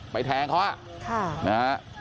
ไปแทงเขาฮะ